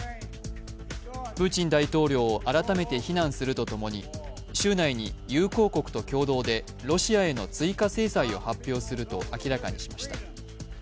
プーチン大統領を改めて非難するとともに、週内に友好国と共同でロシアへの追加制裁を発表すると明らかにしました。